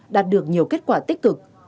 đạt được nhiều kết quả tích cực